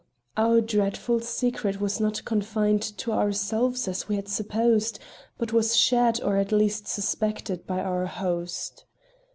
our dreadful secret was not confined to ourselves as we had supposed, but was shared or at least suspected, by our host.